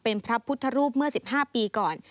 เป็นพระพุทธรูปเมื่อ๑๕ปีก่อน